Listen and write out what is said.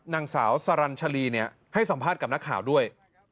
นางสาวสรรชลีให้สัมภาษณ์กับนักข่าวด้วย